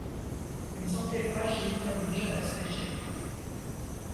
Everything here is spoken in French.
Une santé fragile l'oblige à rester chez lui.